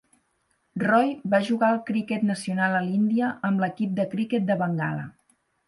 Roy va jugar al criquet nacional a l'Índia amb l'equip de criquet de Bengala.